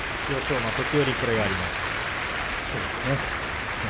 馬は時折これがあります。